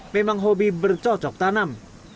memang hobi bercocok tanam